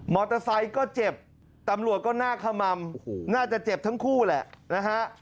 อเตอร์ไซค์ก็เจ็บตำรวจก็หน้าขม่ำน่าจะเจ็บทั้งคู่แหละนะฮะ